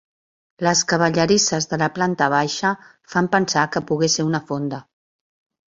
Les cavallerisses de la planta baixa fan pensar que pogué ser una fonda.